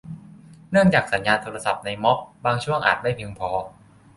เนื่องจากสัญญาณโทรศัพท์ในม็อบบางช่วงอาจไม่เพียงพอ